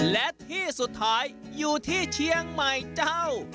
และที่สุดท้ายอยู่ที่เชียงใหม่เจ้า